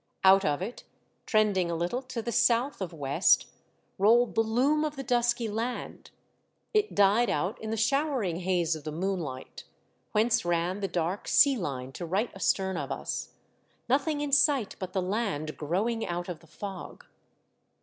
Out of it, trending a little to the south of west, rolled the loom of I A.M ALONE. 509 the dusky land ; it died out in the showering haze of the moonlioht, whence ran the dark sea line to right astern of us — nothing in sight but the land growing out of the fog.